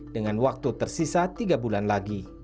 dengan waktu tersisa tiga bulan lagi